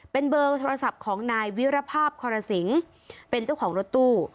เป็นเบอร์โทรศัพท์ของนายวิรภาพคอรสิงเป็นเจ้าของรถตู้